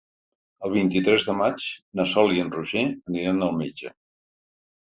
El vint-i-tres de maig na Sol i en Roger aniran al metge.